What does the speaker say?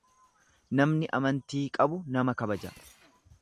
Namni amantii qabu nama kabaja.